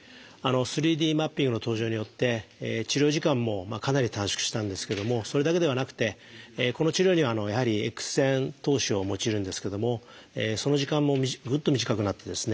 ３Ｄマッピングの登場によって治療時間もかなり短縮したんですけどもそれだけではなくてこの治療にはやはりエックス線透視を用いるんですけどもその時間もグッと短くなってですね